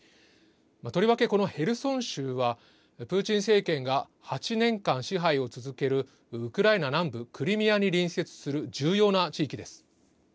とりわけ、このヘルソン州はプーチン政権が８年間支配を続けるウクライナ南部クリミアに隣接する重要な地域です。